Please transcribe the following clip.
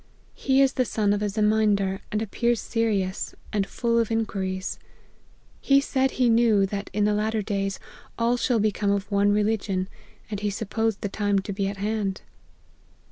He is the son of a Ze mindar, and appears serious, and full of inquiries. He said he knew, that in the latter days, all shall become of one religion ; and he supposed the time to be at hand."